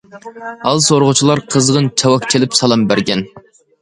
ھال سورىغۇچىلار قىزغىن چاۋاك چېلىپ سالام بەرگەن.